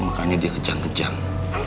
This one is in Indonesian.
makanya dia kejang kejang